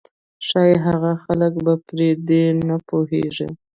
ښايي هغه خلک به پر دې نه پوهېږي.